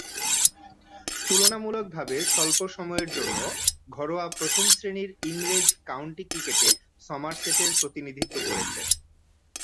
তুলনামূলকভাবে স্বল্প সময়ের জন্য ঘরোয়া প্রথম-শ্রেণীর ইংরেজ কাউন্টি ক্রিকেটে সমারসেটের প্রতিনিধিত্ব করেছেন।